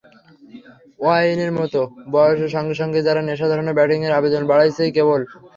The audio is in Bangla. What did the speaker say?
ওয়াইনের মতো বয়সের সঙ্গে সঙ্গে যাঁর নেশা ধরানো ব্যাটিংয়ের আবেদন বাড়ছেই কেবল।